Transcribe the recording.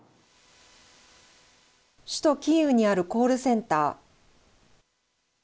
首都キーウにあるコールセンター。